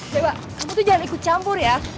jawa kamu tuh jangan ikut campur ya